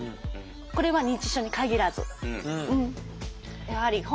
これは認知症に限らず。